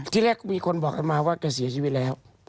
ที่แรกมีคนบอกกันมาว่าแกเสียชีวิตแล้ว